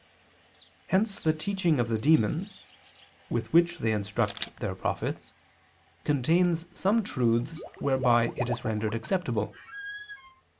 Hence the teaching of the demons, with which they instruct their prophets, contains some truths whereby it is rendered acceptable.